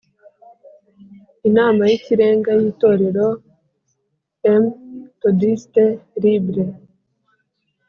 Inama y Ikirenga y Itorero M thodiste Libre